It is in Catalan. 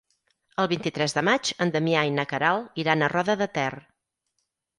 El vint-i-tres de maig en Damià i na Queralt iran a Roda de Ter.